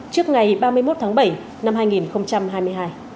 trước ngày ba mươi một tháng bảy năm hai nghìn hai mươi hai